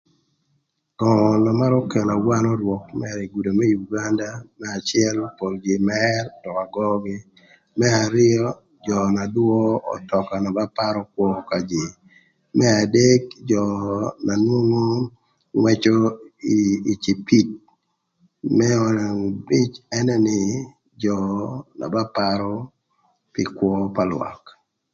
Ngö na marö kelo awanon rwök mërë ï gudo më Uganda, më acël pol jïï mër ötöka göögï. Më arïö jö na düö ötöka na ba parö kwö ka jïï, më adek jö na nwongo ngwëcö ï cipid. Më abic ënë nï jö na ba parö pï kwö pa lwak.